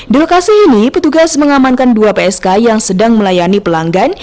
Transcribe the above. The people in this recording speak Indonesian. di lokasi ini petugas mengamankan dua psk yang sedang melayani pelanggan